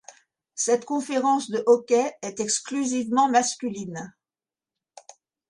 Cette conférence de hockey est exclusivement masculine.